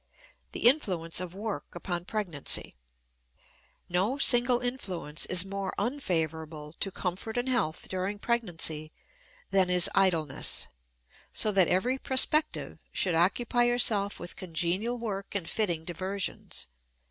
THE INFLUENCE OF WORK UPON PREGNANCY. No single influence is more unfavorable to comfort and health during pregnancy than is idleness, so that every prospective should occupy herself with congenial work and fitting diversions.